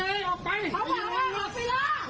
เขาบอกว่าออกไปเยอะ